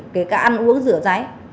kể cả ăn uống rửa ráy